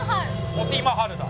モティマハルだ。